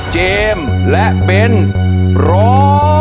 เจมส์และเบนร้อง